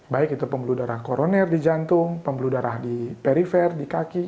baik itu pembuluh darah koroner di jantung pembuluh darah di perifer di kaki